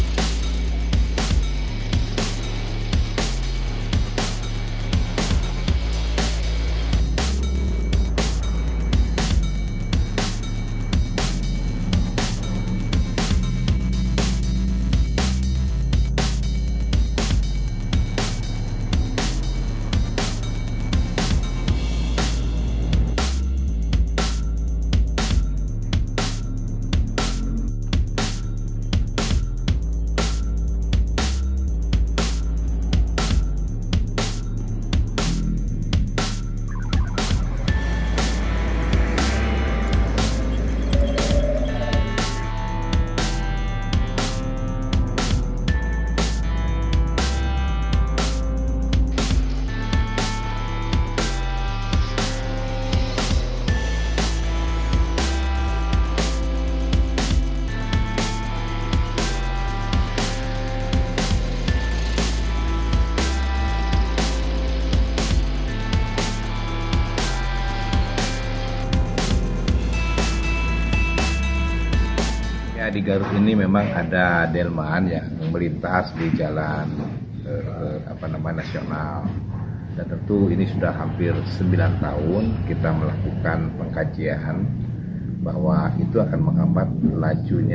jangan lupa like share dan subscribe channel ini untuk dapat info terbaru